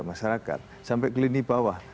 masyarakat sampai ke lini bawah